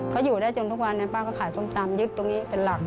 เขาอยู่ได้จนทุกวันนี้ป้าก็ขายส้มตำยึดตรงนี้เป็นหลัก